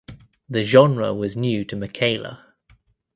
The genre was new to Mikayla.